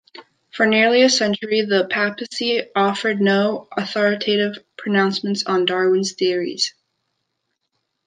For nearly a century, the papacy offered no authoritative pronouncement on Darwin's theories.